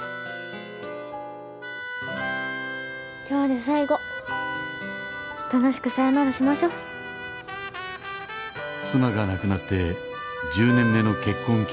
今日で最後楽しくさよならしましょう妻が亡くなって１０年目の結婚